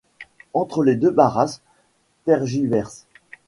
Entre les deux Barras tergiverse.